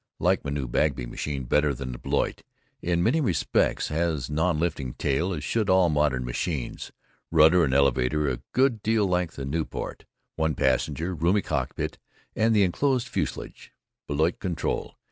Like my new Bagby machine better than Blériot in many respects, has non lifting tail, as should all modern machines. Rudder and elevator a good deal like the Nieuport. One passenger. Roomy cockpit and enclosed fuselage. Blériot control.